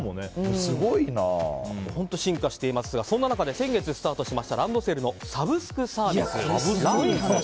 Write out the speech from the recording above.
本当、進化していますがそんな中、先月スタートしたランドセルのサブスクサービス。